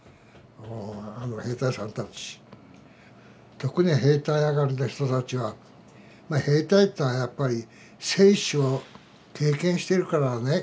特に兵隊あがりの人たちは兵隊というのはやっぱり生死を経験してるからねこれは。